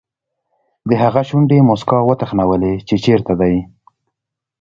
د هغه شونډې موسکا وتخنولې چې چېرته دی.